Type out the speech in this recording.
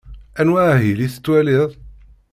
Anwa ahil i tettwaliḍ?